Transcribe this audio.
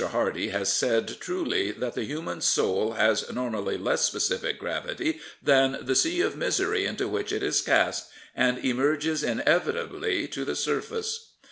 Hardy has said truly that the human soul has normally less specific gravity than the sea of misery into which it is cast and emerges inevitably to the surface.